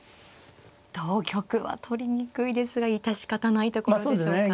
同玉は取りにくいですが致し方ないところでしょうか。